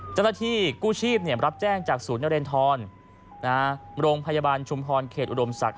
เจ้าหน้าที่กู้ชีพรับแจ้งจากศูนย์นเรนทรโรงพยาบาลชุมพรเขตอุดมศักดิ